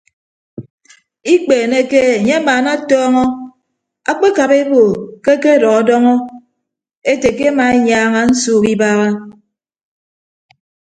Ikpeeneke enye amaanatọọñọ akpekap ebo ke akedọdọñọ ete ke ema enyaaña nsuuk ibaaha.